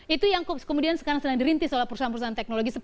itu yang kemudian sekarang sedang dirintis oleh perusahaan perusahaan teknologi